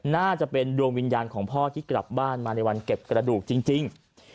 น่าจะเป็นดวงวิญญาณของพ่อที่กลับบ้านมาในวันเก็บกระดูกจริง